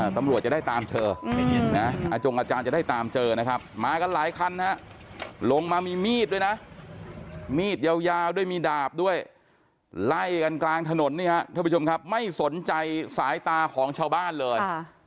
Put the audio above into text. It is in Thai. ตำรวจจะได้ตามเธออาจงอาจารย์จะได้ตามเจอนะครับมากันหลายคันฮะลงมามีมีดด้วยนะมีดยาวด้วยมีดาบด้วยไล่กันกลางถนนนี่ฮะท่านผู้ชมครับไม่สนใจสายตาของชาวบ้านเลย